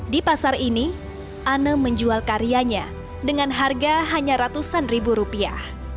di pasar ini ane menjual karyanya dengan harga hanya ratusan ribu rupiah